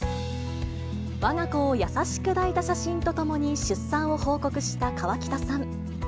わが子を優しく抱いた写真とともに出産を報告した河北さん。